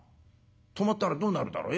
止まったらどうなるだろう。